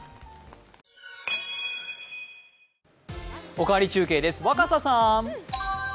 「おかわり中継」です若狭さん。